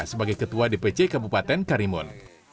sebagai ketua dpc kabupaten karimun